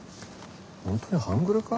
本当に半グレか？